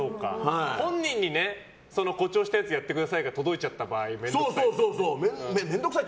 本人に誇張したやつやってくださいが届いちゃった場合に面倒くさいね。